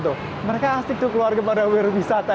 keluarga mereka sangat mengenal perkembangan di sini